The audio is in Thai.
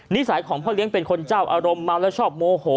นิสัยของพ่อเลี้ยงเป็นคนเจ้าอารมณ์เมาแล้วชอบโมโห